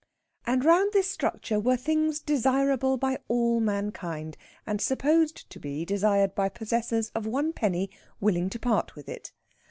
And round this structure were things desirable by all mankind, and supposed to be desired by possessors of one penny willing to part with it.